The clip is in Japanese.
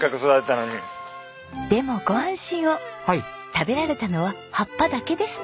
食べられたのは葉っぱだけでした。